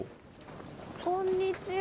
こんにちは。